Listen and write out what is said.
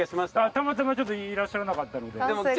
たまたまちょっといらっしゃらなかったので。